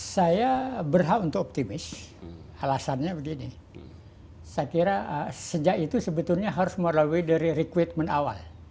saya berhak untuk optimis alasannya begini saya kira sejak itu sebetulnya harus melalui dari rekrutmen awal